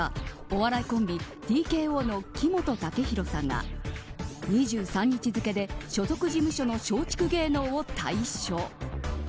お笑いコンビＴＫＯの木本武宏さんが２３日付で所属事務所の松竹芸能を退所。